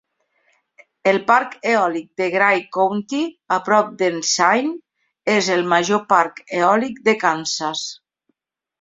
El parc eòlic de Gray County a prop d'Ensign és el major parc eòlic de Kansas.